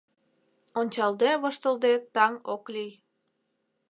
Ончалде-воштылде таҥ ок лий.